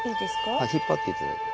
はい引っ張っていただいて。